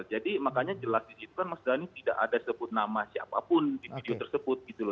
jadi makanya jelas di situ kan mas dhani tidak ada disebut nama siapapun di video tersebut gitu loh